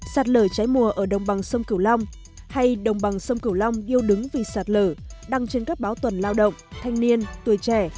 sạt lở cháy mùa ở đồng bằng sông cửu long hay đồng bằng sông cửu long điêu đứng vì sạt lở đăng trên các báo tuần lao động thanh niên tuổi trẻ